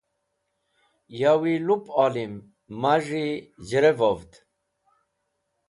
Yawi lup olim maz̃hi z̃hrevod.